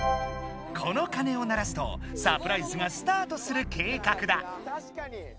この鐘を鳴らすとサプライズがスタートする計画だ。